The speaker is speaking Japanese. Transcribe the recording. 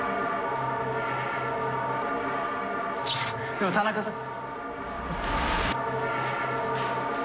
でも田中さん。